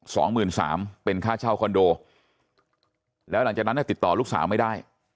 สองหมื่นสามเป็นค่าเช่าคอนโดแล้วหลังจากนั้นติดต่อลูกสาวไม่ได้